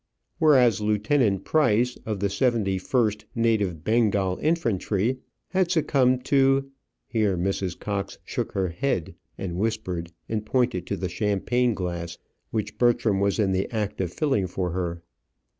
Whereas, Lieutenant Price, of the 71st Native Bengal Infantry, had succumbed to here Mrs. Cox shook her head, and whispered, and pointed to the champagne glass which Bertram was in the act of filling for her.